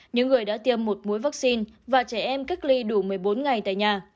những người đã tiêm một mũi vaccine và trẻ em cách ly đủ một mươi bốn ngày tại nhà